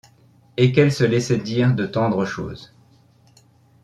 Et qu'elle se laissait dire de tendres choses